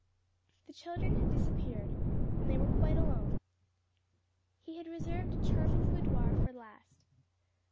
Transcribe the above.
The children had disappeared, and they were quite alone. He had reserved a charming boudoir for the last.